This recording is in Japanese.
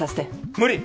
無理。